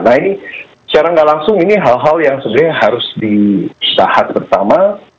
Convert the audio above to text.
nah ini secara nggak langsung ini hal hal yang sebenarnya harus di tahap pertama